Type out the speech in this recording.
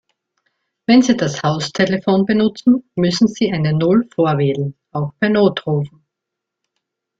Wenn Sie das Haustelefon benutzen, müssen Sie eine Null vorwählen, auch bei Notrufen.